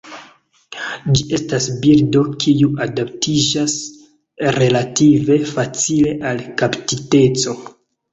Ĝi estas birdo kiu adaptiĝas relative facile al kaptiteco.